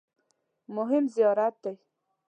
مهم زیارت دی.